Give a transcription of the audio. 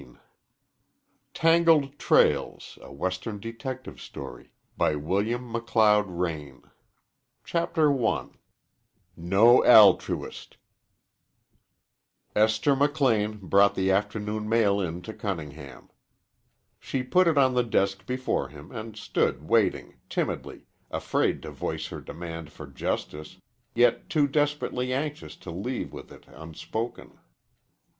THE MILLS OF THE GODS XLI. ENTER X XLII. THE NEW WORLD TANGLED TRAILS CHAPTER I NO ALTRUIST Esther McLean brought the afternoon mail in to Cunningham. She put it on the desk before him and stood waiting, timidly, afraid to voice her demand for justice, yet too desperately anxious to leave with it unspoken.